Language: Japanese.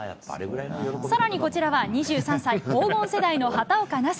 さらにこちらは、２３歳、黄金世代の畑岡奈紗。